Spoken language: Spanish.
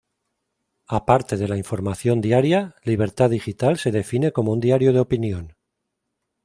Aparte de la información diaria, "Libertad Digital" se define como un diario de opinión.